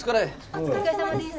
お疲れさまです。